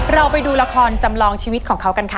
เราไปดูละครจำลองชีวิตของเขากันค่ะ